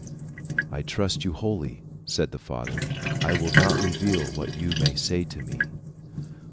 "I trust you wholly," said the father. "I will not reveal what you may say to me."